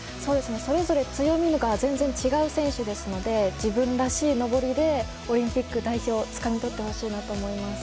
それぞれ強みが全然、違う選手ですので自分らしい登りでオリンピック代表をつかみ取ってほしいなと思います。